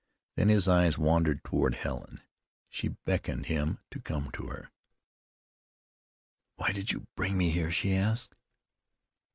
Then his eyes wandered toward Helen. She beckoned him to come to her. "Why did you bring me here?" she asked.